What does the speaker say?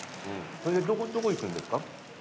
それでどこ行くんですか？